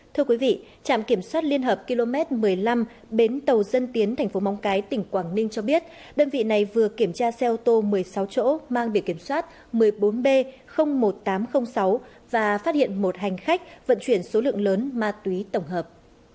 thưa quý vị trạm kiểm soát liên hợp km một mươi năm bến tàu dân tiến thành phố móng cái tỉnh quảng ninh cho biết đơn vị này vừa kiểm tra xe ô tô một mươi sáu chỗ mang biển kiểm soát một mươi bốn b một nghìn tám trăm linh sáu và phát hiện một hành khách vận chuyển số lượng lớn ma túy tổng hợp